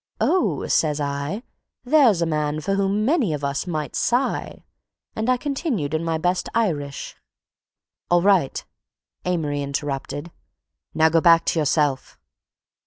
'Oh!' says I, 'there's a man for whom many of us might sigh,' and I continued in my best Irish—" "All right," Amory interrupted. "Now go back to yourself."